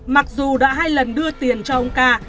mặc dù đã hai lần đưa tiền cho ông ca